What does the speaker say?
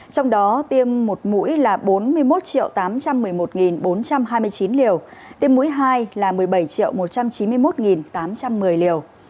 trong đó tiêm một mũi là bốn mươi một tám trăm một mươi một bốn trăm hai mươi chín liều tiêm mũi hai là một mươi bảy một trăm chín mươi một tám trăm một mươi liều